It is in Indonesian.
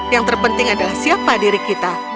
yang terpenting adalah siapa diri kita